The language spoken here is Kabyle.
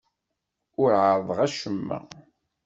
Ur ɛerrḍeɣ acemma.